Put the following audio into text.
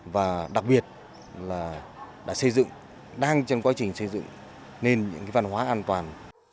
và đặc biệt là đã xây dựng đang trong quá trình xây dựng nên những văn hóa an toàn